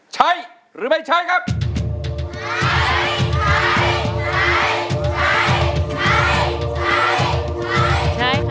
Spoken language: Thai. ใช้หรือไม่ใช้ครับ